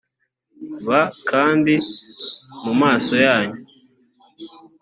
b kandi mu maso yanyu